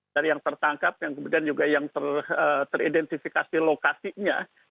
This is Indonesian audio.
dari yang tertangkap yang kemudian juga yang teridentifikasi lokasinya